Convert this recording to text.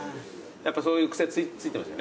やっぱそういう癖ついてますよね？